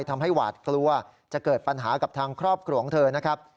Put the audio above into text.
หวาดกลัวจะเกิดปัญหากับทางครอบครัวของเธอนะครับ